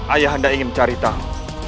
ayah anda ingin mencari tahu